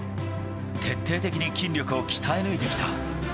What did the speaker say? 徹底的に筋力を鍛え抜いてきた。